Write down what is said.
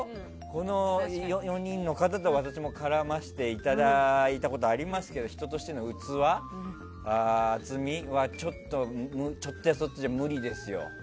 この４人の方と私も絡ませていただいたことありますけど人としての器、厚みはちょっとやそっとじゃ無理ですよ。